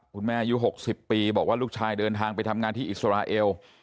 คุณแม่ยุคหกสิบปีบอกว่าลูกชายเดินทางไปทำงานที่อิสราเอล